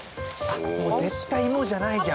絶対芋じゃないじゃん。